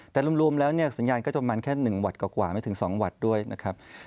แต่รวมแล้วเนี่ยสัญญาณก็จะมันแค่๑หวัดกว่าไม่ถึง๒หวัดด้วยนะครับ